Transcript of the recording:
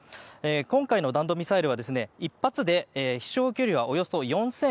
今回の弾道ミサイルは１発で飛翔距離はおよそ４６００ｋｍ